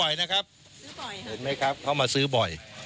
เห็นไหมครับเขามาซื้อบ่อย